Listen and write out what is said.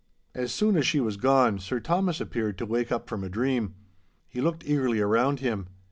As soon as she was gone, Sir Thomas appeared to wake up from a dream. He looked eagerly around him.